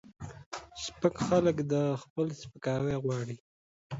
سپک خلک دا خپل سپکاوی غواړي